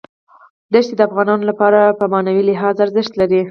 دښتې د افغانانو لپاره په معنوي لحاظ ارزښت لري.